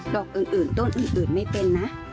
อกอื่นต้นอื่นไม่เป็นนะ